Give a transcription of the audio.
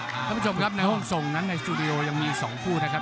คุณผู้ชมครับในห้องส่งนั้นในสตูดิโอยังมี๒คู่นะครับ